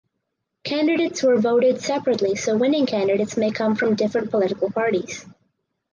Candidates were voted separately so winning candidates may come from different political parties.